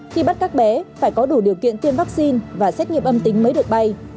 khi bắt các bé phải có đủ điều kiện tiêm vaccine và xét nghiệm âm tính mới được bay